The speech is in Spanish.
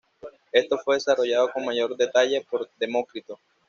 Esto fue desarrollado con mayor detalle por Demócrito.